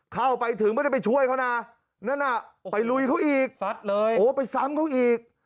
เข้าไปถึงไม่ได้ไปช่วยเขานะนั่นน่ะไปลุยเขาอีกโอ้ไปซ้ำเขาอีก